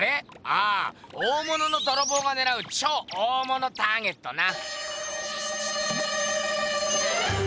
ああ大物のどろぼうがねらう超大物ターゲットな！